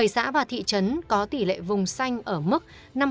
bảy xã và thị trấn có tỷ lệ vùng xanh ở mức năm mươi hai tám mươi tám